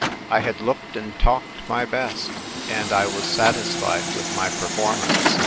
I had looked and talked my best, and I was satisfied with my per formance.